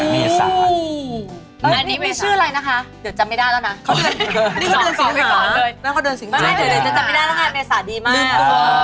เมษานดีมาก